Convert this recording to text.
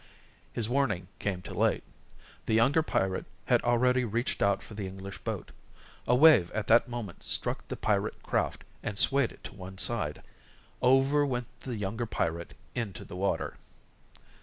His warning came too late. The younger pirate had already reached out for the English boat. A wave at that moment struck the pirate craft, and swayed it to one side. Over went the younger pirate into the water.